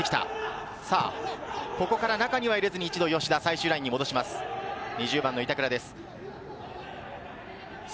ここから中には入れずに一度吉田、最終ラインに戻します。